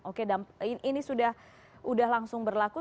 oke ini sudah langsung berlaku